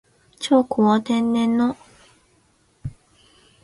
長江は天然の塹壕だということ。